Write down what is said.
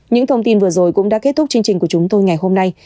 những thông tin vừa rồi cũng đã kết thúc chương trình của chúng tôi ngày hôm nay